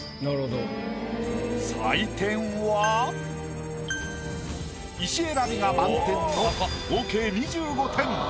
採点は石選びが満点の合計２５点。